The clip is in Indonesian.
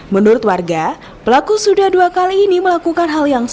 menurut warga pelaku sudah dua kali ini melakukan hal yang sama